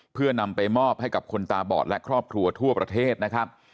เพื่อนำไปมอบให้กับคนตาบอดและครอบครัวทั่วประเทศนะครับ